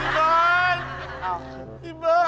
พี่เบิ้ล